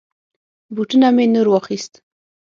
بوټونه می نور واخيست.